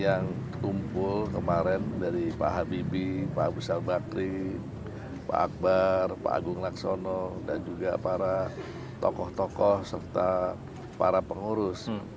yang kumpul kemarin dari pak habibie pak abu salbakri pak akbar pak agung laksono dan juga para tokoh tokoh serta para pengurus